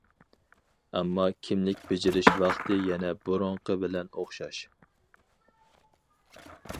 ئەمما كىملىك بېجىرىش ۋاقتى يەنە بۇرۇنقى بىلەن ئوخشاش.